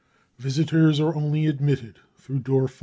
Visitors are only admitted through door 5.